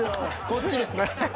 こっちですね。